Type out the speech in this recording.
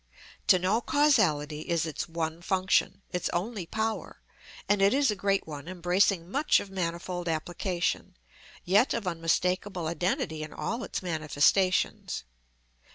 To know causality is its one function, its only power; and it is a great one, embracing much, of manifold application, yet of unmistakable identity in all its manifestations.